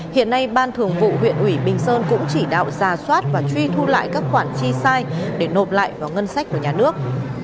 hiện nay ban thường vụ huyện ủy bình sơn cũng chỉ đạo giả soát và truy thu lại các khoản chi sai để nộp lại vào ngân sách của nhà nước